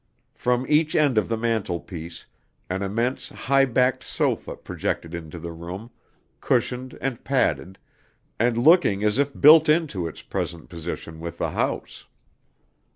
From each end of the mantelpiece an immense high backed sofa projected into the room, cushioned and padded, and looking as if built into its present position with the house.